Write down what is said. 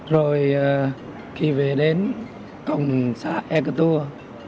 rồi khi về đến cổng xã ekatur